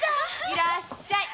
いらっしゃい！